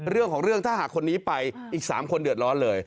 เรื่องของเรื่องถ้าหากคนนี้ไปอีก๓คนเดือดร้อนเลย